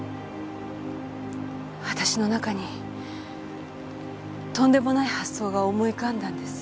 私の中にとんでもない発想が思い浮かんだんです。